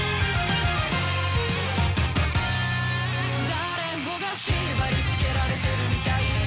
誰もが縛り付けられてるみたいだ